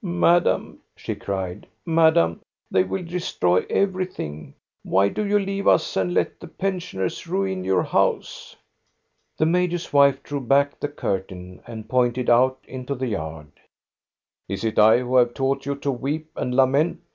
" Madame," she cried, madame, they will destroy everything. Why do you leave us and let the pen sioners ruin your house?" The major's wife drew back the curtain and pointed out into the yard. " Is it I who have taught you to weep and lament?